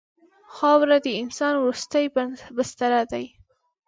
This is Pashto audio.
خاوره د انسان وروستی بستر دی.